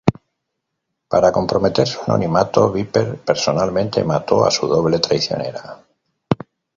Para comprometer su anonimato, Viper personalmente mató a su doble traicionera.